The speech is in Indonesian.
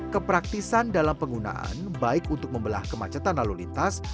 kepraktisan dalam penggunaan baik untuk membelah kemacetan lalu lintas